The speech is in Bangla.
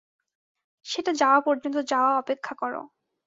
সেটা যাওয়া পর্যন্ত যাওয়া অপেক্ষা কর।